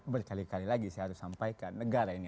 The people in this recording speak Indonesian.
berkali kali lagi saya harus sampaikan negara ini